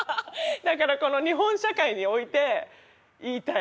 だからこの日本社会において言いたい。